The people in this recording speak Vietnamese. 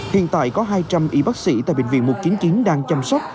hiện tại có hai trăm linh y bác sĩ tại bệnh viện một trăm chín mươi chín đang chăm sóc